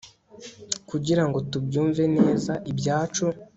Kugirango tubyumve neza ibyacu